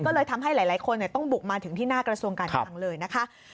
ก็เลยทำให้หลายคนต้องบุกมาถึงที่หน้ากระทรวงการคลังเลยนะคะ